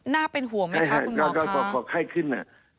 น่าเป็นห่วงไหมคะคุณหมอคะพอไข้ขึ้น